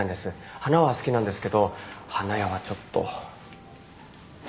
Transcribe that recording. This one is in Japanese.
花は好きなんですけど花屋はちょっと。